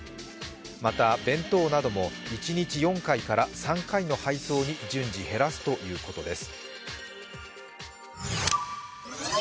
また弁当なども１日４回から３回の配送に順次減らすということです。